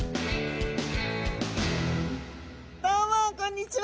どうもこんにちは！